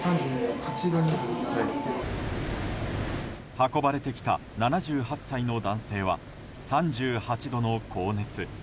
運ばれてきた７８歳の男性は３８度の高熱。